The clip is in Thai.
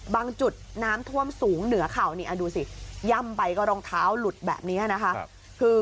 จุดน้ำท่วมสูงเหนือเข่านี่ดูสิย่ำไปก็รองเท้าหลุดแบบนี้นะคะ